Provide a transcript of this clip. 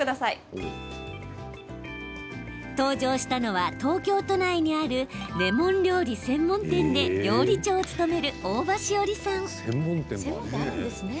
登場したのは東京都内にあるレモン料理専門店で料理長を務める大場汐理さん。